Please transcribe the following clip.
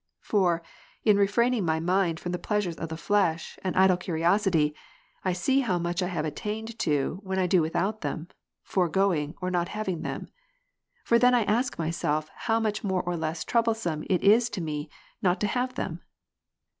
For, in refraining my mind from the pleasures of the flesh, and idle curiosity, I see how much I have attained to, when I do without them ; foregoing, or not having them ™. For then I ask myself how much more or less troublesome it is to me, not to have them